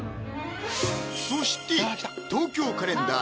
そして「東京カレンダー」